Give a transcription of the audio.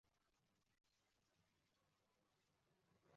U birdan jimib qolishdi.